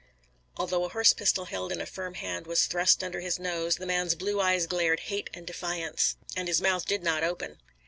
Although a horse pistol held in a firm hand was thrust under his nose, the man's blue eyes glared hate and defiance, and his mouth did not open.